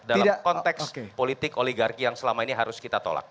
dalam konteks politik oligarki yang selama ini harus kita tolak